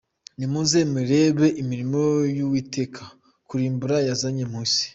Nimuze murebe imirimo y’Uwiteka, Kurimbura yazanye mu isi.